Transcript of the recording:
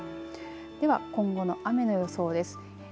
では今後の雨の予想です。